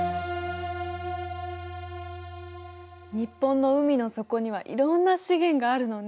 日本の海の底にはいろんな資源があるのね。